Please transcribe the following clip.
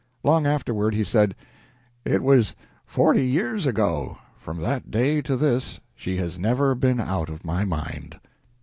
Long afterward he said: "It was forty years ago. From that day to this she has never been out of my mind."